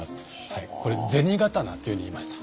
これ「銭刀」っていうふうに言いました。